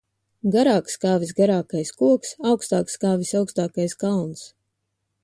Garāks kā visgarākais koks, augstāks kā visaugstākais kalns.